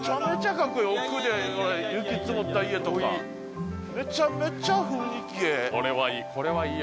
奥で雪積もった家とかめちゃめちゃ雰囲気ええ